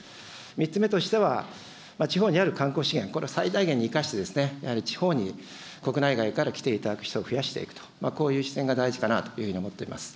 ３つ目としては地方にある観光資源、これ、最大限に生かして、やはり地方に国内外から来ていただく人を増やしていくと、こういう視点が大事かなというふうに思っております。